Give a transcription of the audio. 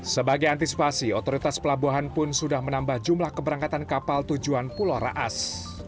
sebagai antisipasi otoritas pelabuhan pun sudah menambah jumlah keberangkatan kapal tujuan pulau raas